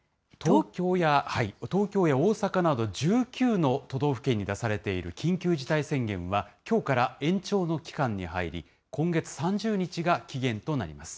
東京や大阪など１９の都道府県に出されている緊急事態宣言はきょうから延長の期間に入り、今月３０日が期限となります。